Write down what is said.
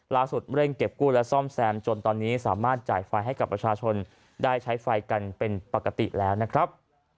เร่งเก็บกู้และซ่อมแซมจนตอนนี้สามารถจ่ายไฟให้กับประชาชนได้ใช้ไฟกันเป็นปกติแล้วนะครับ